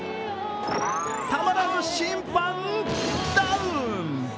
たまらず審判、ダウン！